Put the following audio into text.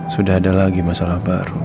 sudah ada lagi masalah baru